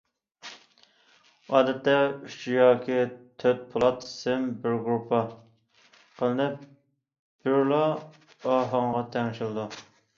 ئادەتتە ئۈچ ياكى تۆت پولات سىم بىر گۇرۇپپا قىلىنىپ، بىرلا ئاھاڭغا تەڭشىلىدۇ.